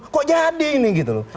kok jadi ini gitu loh